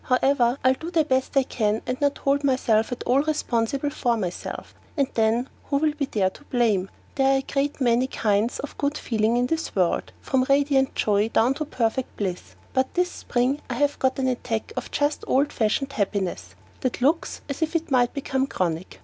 However, I'll do the best I can and not hold myself at all responsible for myself, and then who will there be to blame? There are a great many kinds of good feeling in this world, from radiant joy down to perfect bliss; but this spring I have got an attack of just old fashioned happiness that looks as if it might become chronic.